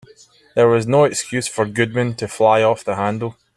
There was no excuse for Goodman to fly off the handle.